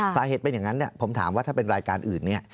สาเหตุเป็นอย่างนั้นผมถามว่าถ้าเป็นรายการอื่นเนี่ย